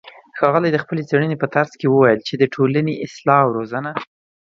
ښاغلى د خپلې څېړنې په ترڅ کې وويل چې د ټولنې اصلاح او روزنه